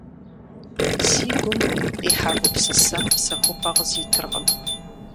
Си гум къихьа гупсысэм псэхупӀэ къызитыркъым.